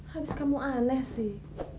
habis kamu aneh sih